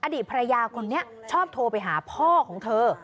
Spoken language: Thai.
อดีตภรรยาคนนี้ชอบโทรไปหาพ่อของเธอ